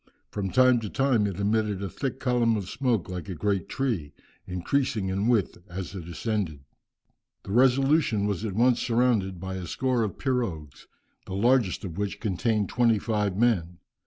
From time to time it emitted a thick column of smoke like a great tree, increasing in width as it ascended." The Resolution was at once surrounded by a score of pirogues, the largest of which contained twenty five men.